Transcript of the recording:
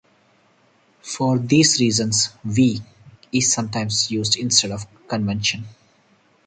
For these reasons "v" is sometimes used instead by convention.